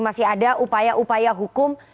masih ada upaya upaya hukum